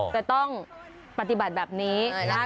แต่ต้องปฏิบัติแบบนี้นะ